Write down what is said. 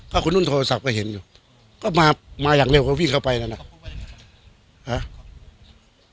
ก็คุณนุ่นโทรสับก็เห็นอยู่ก็มามาอย่างเร็วก็วิ่งเข้าไปนะครับ